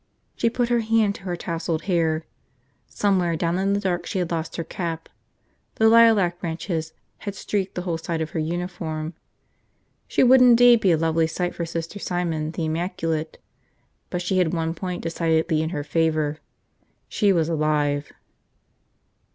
She put her hand to her tousled hair. Somewhere down in the dark she had lost her cap. The lilac branches had streaked the whole side of her uniform. She would indeed be a lovely sight for Sister Simon, the immaculate. But she had one point decidedly in her favor. She was alive.